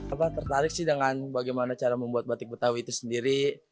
apa tertarik sih dengan bagaimana cara membuat batik betawi itu sendiri